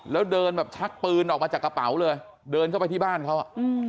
แล้วเดินแบบชักปืนออกมาจากกระเป๋าเลยเดินเข้าไปที่บ้านเขา